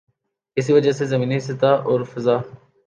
اسی وجہ سے زمینی سطح اور فضا